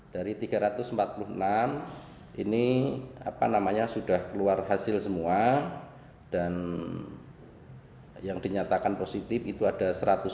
dari tiga ratus empat puluh enam ini sudah keluar hasil semua dan yang dinyatakan positif itu ada satu ratus dua puluh